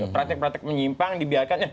praktek praktek menyimpang dibiarkan